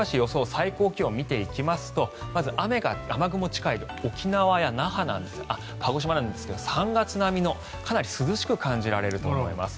最高気温を見ていきますと雨は雨雲が近い沖縄や鹿児島なんですが３月並みかなり涼しく感じられると思います。